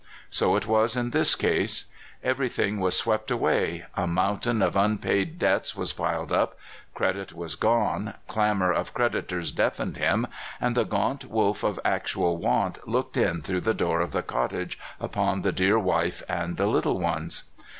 So it was in this case. Every thing was swept away, a mountain of unpaid debts was piled up, credit was gene, clamor of creditors deafened him, and the gaunt wolf of actual want looked in through the door of the cottage upon the dear wife and little ones.